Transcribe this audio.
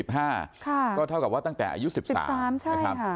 ก็เท่ากับว่าตั้งแต่อายุ๑๓นะครับ